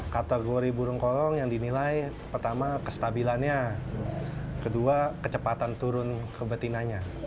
kategori burung kolong yang dinilai pertama kestabilannya kedua kecepatan turun ke betinanya